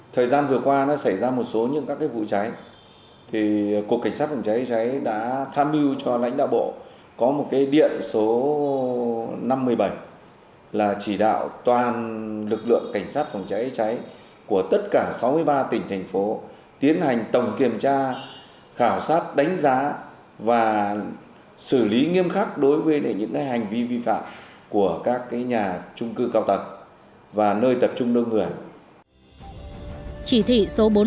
thời gian vừa qua nó xảy ra một số những các vụ cháy thì cục cảnh sát phòng cháy cháy đã tham lưu cho lãnh đạo bộ có một điện số năm mươi bảy là chỉ đạo toàn lực lượng cảnh sát phòng cháy cháy của tất cả sáu mươi ba tỉnh thành phố tiến hành tổng kiểm tra khảo sát đánh giá và xử lý nghiêm khắc đối với những hành vi vi phạm của các tỉnh thành phố